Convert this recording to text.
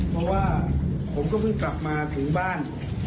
เพราะว่าผมก็เพิ่งกลับมาถึงบ้าน